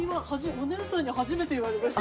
お姉さんに初めて言われました。